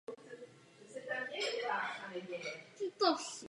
Několik let působil jako soukromý lektor na Univerzitě v Göttingenu.